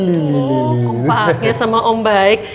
oh kupanya sama om baik